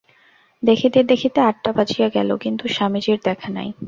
দেখিতে দেখিতে আটটা বাজিয়া গেল, কিন্তু স্বামীজীর দেখা নাই।